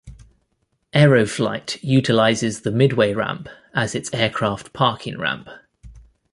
Aeroflite utilizes the Midway ramp as its aircraft parking ramp.